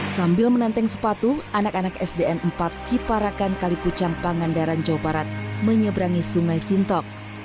sambil menanteng sepatu anak anak sdn empat ciparakan kalipucang pangandaran jawa barat menyeberangi sungai sintok